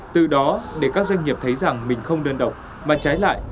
từ đó để các doanh nghiệp thấy rằng mình không đơn độc mà trái lại